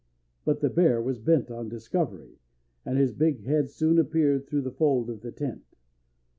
But the bear was bent on discovery, and his big head soon appeared through the fold of the tent.